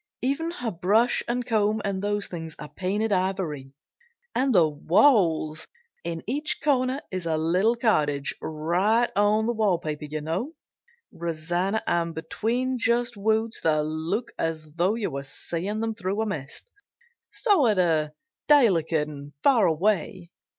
Even her brush and comb and those things are painted ivory. And the walls! In each corner is a little cottage, right on the wall paper you know, Rosanna, and between just woods that look as though you were seeing them through a mist sort of delicate and far away.